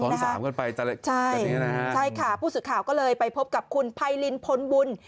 สามกันไปใช่ค่ะผู้สื่อข่าวก็เลยไปพบกับคุณไพรินพลบุญ